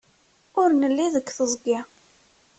Ur nelli deg teẓgi.